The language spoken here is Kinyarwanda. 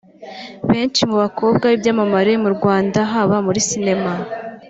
Benshi mu bakobwa b’ibyamamare mu Rwanda haba muri Sinema